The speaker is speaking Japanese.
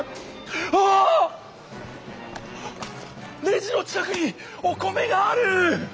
レジの近くにお米がある！